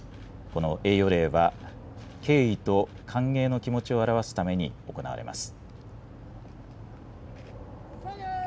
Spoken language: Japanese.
この栄誉礼は敬意と歓迎の気持ちを表すために行われます。